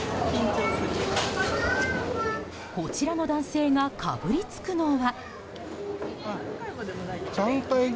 こちらの男性がかぶりつくのは。